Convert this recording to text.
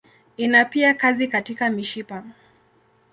Ina pia kazi katika mishipa.